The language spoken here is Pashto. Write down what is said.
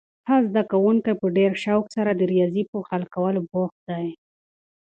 هغه زده کوونکی په ډېر شوق سره د ریاضي په حل کولو بوخت دی.